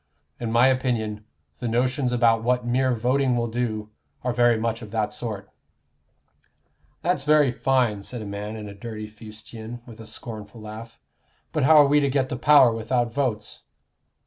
In my opinion, the notions about what mere voting will do are very much of that sort." "That's very fine," said a man in dirty fustian, with a scornful laugh. "But how are we to get the power without votes?"